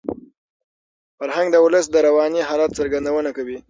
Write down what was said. فرهنګ د ولس د رواني حالت څرګندونه کوي.